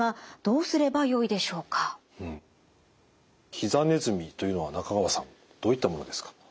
ひざネズミというのは中川さんどういったものですか？